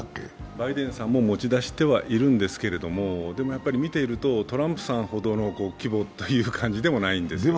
バイデンさんも持ち出してはいるんですけど、見ているとトランプさんほどの規模という感じでもないんですね。